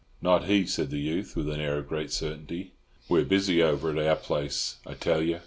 "Not he," said the youth, with an air of great certainty. We're busy over at our place, I tell you.